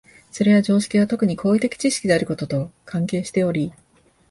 それは常識が特に行為的知識であることと関係しており、